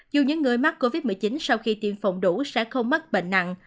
dù những người mắc covid một mươi chín sau khi tiêm phòng đủ sẽ không mắc bệnh nặng